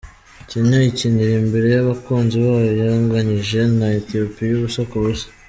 Kenya ikinira imbere y’abakunzi bayo yanganyije na Ethiopia ubusa ku busa.